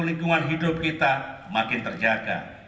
lingkungan hidup kita makin terjaga